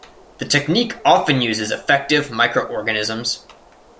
The technique often uses effective microorganisms.